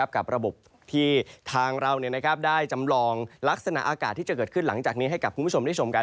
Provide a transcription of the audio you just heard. กับระบบที่ทางเราได้จำลองลักษณะอากาศที่จะเกิดขึ้นหลังจากนี้ให้กับคุณผู้ชมได้ชมกัน